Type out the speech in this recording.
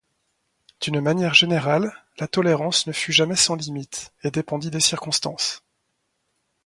D'une manière générale, la tolérance ne fut jamais sans limites et dépendit des circonstances.